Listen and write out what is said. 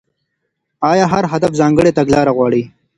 ايا هر هدف ځانګړې تګلاره غواړي؟